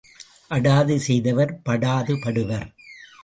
அடாது செய்தவர் படாது படுவர்.